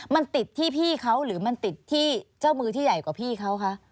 มันติดที่พี่เขาหรือมันติดที่เจ้ามือที่ใหญ่กว่าพี่เขาคะ